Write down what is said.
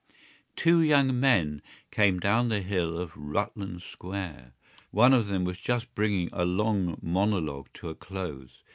Two young men came down the hill of Rutland Square. One of them was just bringing a long monologue to a close.